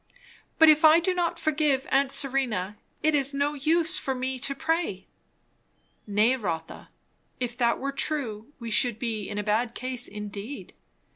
"But if I do not forgive aunt Serena, it is no use for me to pray?" "Nay, Rotha, if that were true we should be in a bad case indeed.